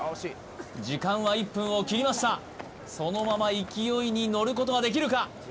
時間は１分を切りましたそのまま勢いに乗ることができるか？